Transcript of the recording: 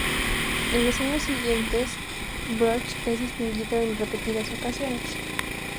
En los años siguientes, Bruch es distinguido en repetidas ocasiones.